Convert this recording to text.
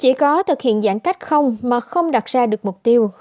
chỉ có thực hiện giãn cách không mà không đặt ra được mục tiêu